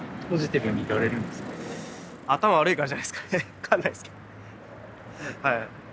分かんないですけどはい。